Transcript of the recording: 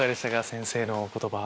先生のお言葉。